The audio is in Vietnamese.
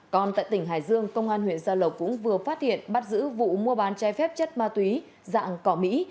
còn tại tỉnh hải dương công an huyện gia lộc cũng vừa phát hiện bắt giữ vụ mua bán chai phép chất ma túy dạng cỏ mỹ